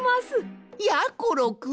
やころくん！？